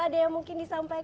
ada yang mungkin disampaikan